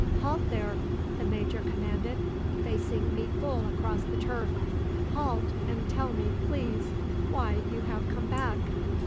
"'Halt there!' the Major commanded, facing me full across the turf. 'Halt, and tell me, please, why you have come back!'